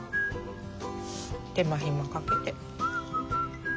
手間ひまかけて。